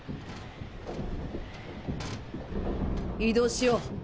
移動しよう。